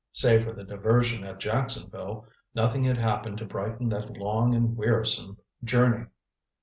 Save for the diversion at Jacksonville, nothing had happened to brighten that long and wearisome journey.